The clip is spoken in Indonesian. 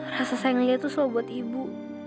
rasa sayang lia selalu buat ibu